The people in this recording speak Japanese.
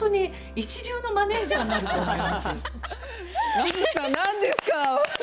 観月さん、なんですか。